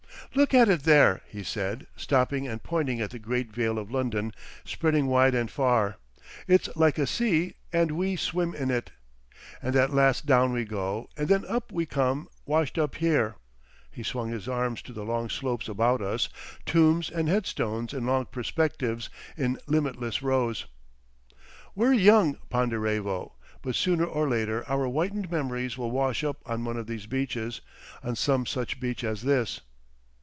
"Look at it there," he said, stopping and pointing to the great vale of London spreading wide and far. "It's like a sea—and we swim in it. And at last down we go, and then up we come—washed up here." He swung his arms to the long slopes about us, tombs and headstones in long perspectives, in limitless rows. "We're young, Ponderevo, but sooner or later our whitened memories will wash up on one of these beaches, on some such beach as this.